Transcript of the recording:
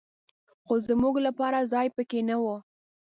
خو زمونږ لپاره ځای په کې نه و.